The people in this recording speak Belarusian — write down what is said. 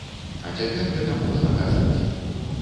А цяпер гэта можна казаць.